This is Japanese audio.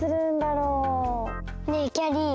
ねえきゃりー。